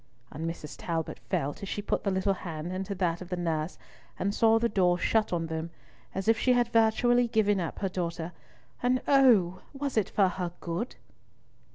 And Mrs. Talbot felt, as she put the little hand into that of the nurse, and saw the door shut on them, as if she had virtually given up her daughter, and, oh! was it for her good?